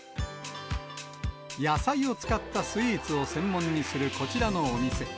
野菜を使ったスイーツを専門にするこちらのお店。